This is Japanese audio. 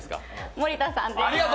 森田さんです。